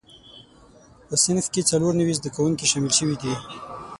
په صنف کې څلور نوي زده کوونکي شامل شوي دي.